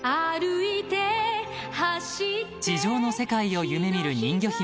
［地上の世界を夢見る人魚姫］